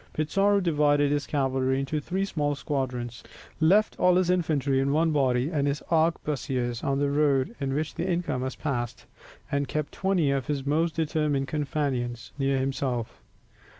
Pizarro divided his cavalry into three small squadrons, left all his infantry in one body, hid his arquebusiers on the road by which the inca must pass, and kept twenty of his most determined companions near himself.